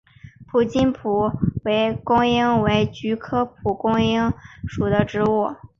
锡金蒲公英为菊科蒲公英属的植物。